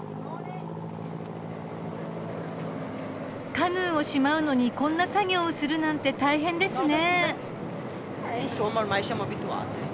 カヌーをしまうのにこんな作業をするなんて大変ですね。